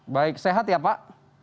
baik sehat ya pak